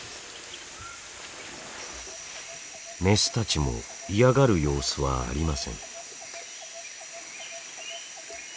メスたちも嫌がる様子はありません。